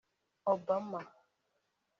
Obama